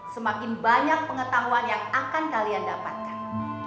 semakin banyak pengetahuan yang akan kalian dapatkan